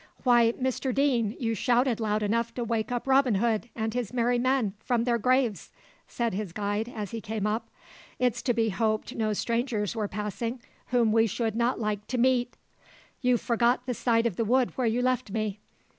"Why, Mr Deane, you shouted loud enough to wake up Robin Hood and his merry men from their graves!" said his guide, as he came up. "It's to be hoped no strangers were passing whom we should not like to meet! You forgot the side of the wood where you left me.